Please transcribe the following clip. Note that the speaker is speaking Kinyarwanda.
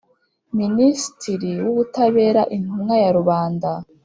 Minisitiri w Ubutabera Intumwa ya rubanda